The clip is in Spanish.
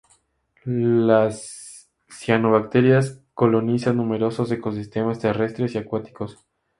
Las cianobacterias colonizan numerosos ecosistemas terrestres y acuáticos.